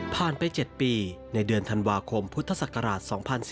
ไป๗ปีในเดือนธันวาคมพุทธศักราช๒๔